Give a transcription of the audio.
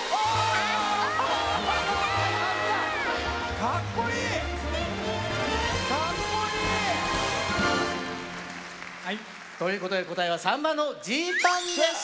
かっこいい！ということで答えは３番の「ジーパン」でした。